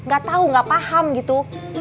gak tahu nggak paham gitu